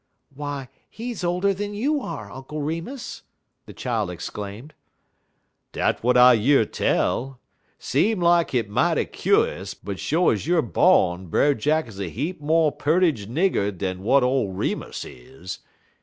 "Why, he's older than you are, Uncle Remus!" the child exclaimed. "Dat w'at I year tell. Seem lak hit mighty kuse, but sho' ez youer bawn Brer Jack is a heap mo' pearter nigger dan w'at ole Remus is.